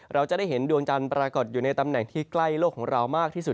เราจะได้เห็นดวงจันทร์ปรากฏอยู่ในตำแหน่งที่ใกล้โลกของเรามากที่สุด